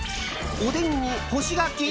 おでんに干し柿？